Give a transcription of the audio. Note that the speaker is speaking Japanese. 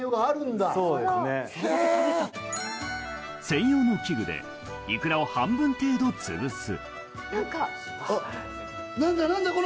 専用の器具でイクラを半分程度潰す。